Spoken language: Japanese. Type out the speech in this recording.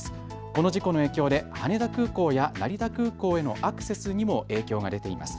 この事故の影響で羽田空港や成田空港へのアクセスにも影響が出ています。